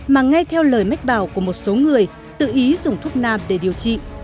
mà nghe theo lời mách bảo của một số người tự ý dùng thuốc nam để điều trị